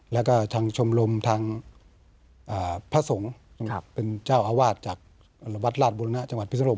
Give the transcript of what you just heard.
แล้วก็ทางชมรมทางพระสงฆ์เป็นเจ้าอาวาสจากวัดราชบุรณะจังหวัดพิศรม